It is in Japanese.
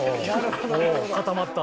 「固まった」